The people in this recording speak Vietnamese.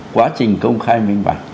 quá trình công khai minh bạc